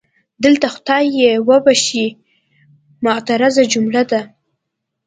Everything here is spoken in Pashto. دلته خدای دې یې وبښي معترضه جمله ده.